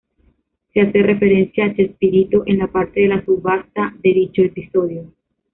Se hace referencia a Chespirito en la parte de la subasta de dicho episodio.